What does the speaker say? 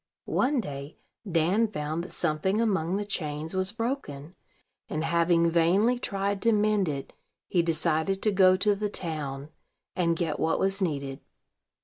One day Dan found that something among the chains was broken; and, having vainly tried to mend it, he decided to go to the town, and get what was needed.